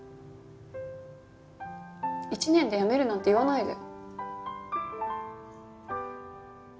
１年で辞めるなんて言わないで。